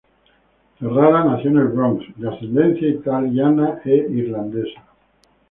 Ferrara nació en el Bronx, de ascendencia italiana e irlandesa.